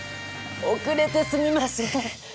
遅れてすみません！